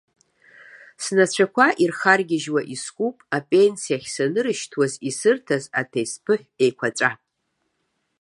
Снацәақәа ирхаргьежьуа искуп апенсиахь санырышьҭуаз исырҭаз аҭесԥыхә еиқәаҵәа.